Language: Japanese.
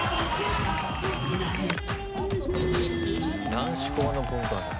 男子校の文化祭。